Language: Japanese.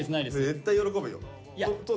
絶対喜ぶよ。